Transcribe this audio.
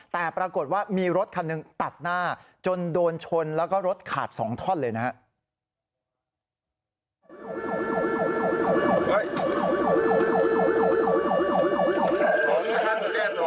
แต่ปรากฏว่ามีรถคันหนึ่งตัดหน้าจนโดนชนแล้วก็รถขาด๒ท่อนเลยนะครับ